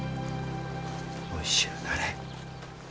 おいしゅうなれ。